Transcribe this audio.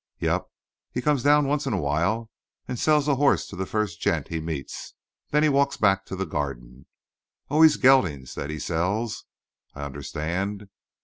"Yep. He comes down once in a while and sells a hoss to the first gent he meets and then walks back to the garden. Always geldings that he sells, I understand.